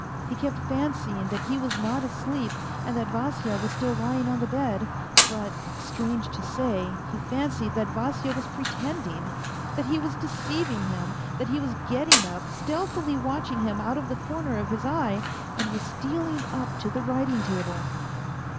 He kept fancying that he was not asleep, and that Vasya was still lying on the bed. But strange to say, he fancied that Vasya was pretending, 192 A FAINT HEART that he was deceiving him, that he was getting up, stealthily watching him out of the corner of his eye, and was stealing up to the writing table.